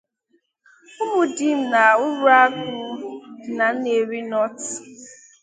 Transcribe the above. Ụmụdim na Uruagụ dị na 'Nnewi North'